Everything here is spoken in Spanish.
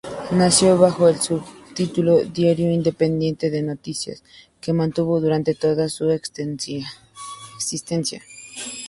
Nació bajo el subtítulo "Diario Independiente de Noticias", que mantuvo durante toda su existencia.